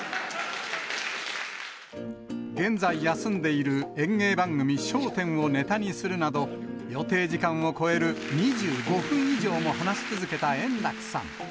現在休んでいる演芸番組、笑点をネタにするなど、予定時間を超える２５分以上も話し続けた円楽さん。